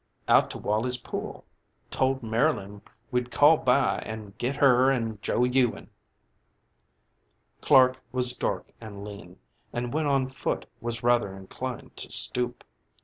"Out to Walley's Pool. Told Marylyn we'd call by an' get her an' Joe Ewing." Clark was dark and lean, and when on foot was rather inclined to stoop.